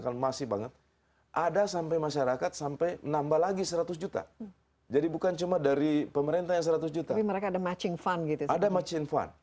untuk tahun ini